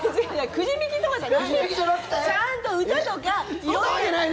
くじ引きとかじゃないの。